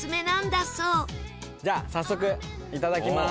じゃあ早速いただきます。